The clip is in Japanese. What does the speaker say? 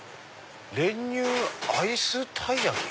「練乳アイスたいやき」。